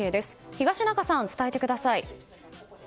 東中さん、伝えてください。